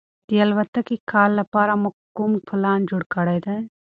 د راتلونکي کال لپاره مو کوم پلان جوړ کړی دی؟